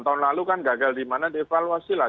tahun lalu kan gagal dimana dievaluasi lah